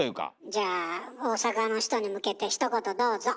じゃあ大阪の人に向けてひと言どうぞ。